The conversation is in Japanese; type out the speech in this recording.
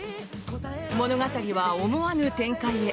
物語は思わぬ展開へ。